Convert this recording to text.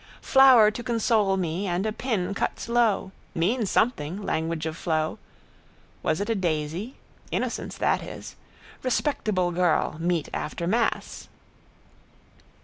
Flower to console me and a pin cuts lo. Means something, language of flow. Was it a daisy? Innocence that is. Respectable girl meet after mass.